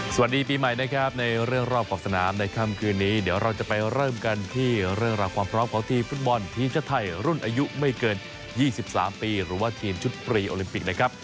สวัสดีปีใหม่นะครับในเรื่องรอบขอบสนามในค่ำคืนนี้เดี๋ยวเราจะไปเริ่มกันที่เรื่องราวความพร้อมของทีมฟุตบอลทีมชาติไทยรุ่นอายุไม่เกิน๒๓ปีหรือว่าทีมชุดปรีโอลิมปิกนะครับ